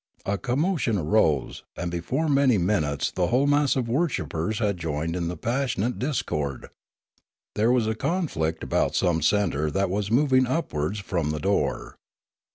A commotion arose, and before many minutes the whole mass of worshippers had joined in the passionate dis cord. There was a conflict about some centre that was moving upwards from the door.